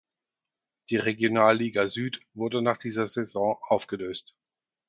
Die Regionalliga Süd wurde nach dieser Saison aufgelöst.